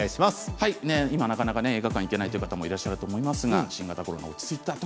今なかなか映画館に行けないという方もいらっしゃるかと思います。